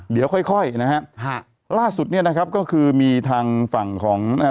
เดี๋ยวค่อยค่อยนะฮะฮะล่าสุดเนี้ยนะครับก็คือมีทางฝั่งของอ่า